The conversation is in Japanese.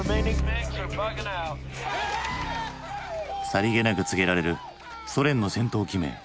さりげなく告げられるソ連の戦闘機名。